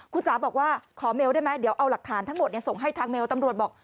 คุณจ๋าบอกว่าขอเมลได้ไหมเดี๋ยวเอาหลักฐานทั้งหมดส่งให้ทางเมลตำรวจบอก